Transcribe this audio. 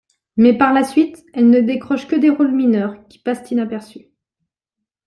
Mais par la suite, elle ne décroche que des roles mineurs, qui passent inaperçus.